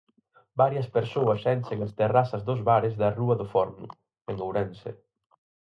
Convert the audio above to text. Varias persoas enchen as terrazas dos bares da rúa do Forno, en Ourense.